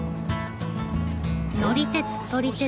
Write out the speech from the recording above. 乗り鉄撮り鉄